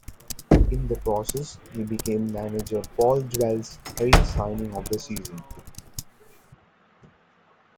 In the process he became manager Paul Jewell's eighth signing of the season.